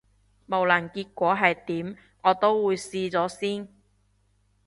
無論結果係點，我都會試咗先